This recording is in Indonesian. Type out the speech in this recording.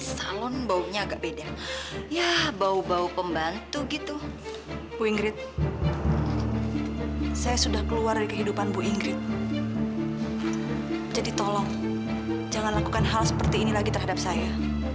sampai jumpa di video selanjutnya